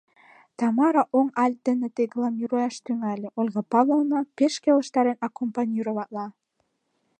Тамара оҥ альт дене декламируяш тӱҥале, Ольга Павловна пеш келыштарен аккомпанироватла: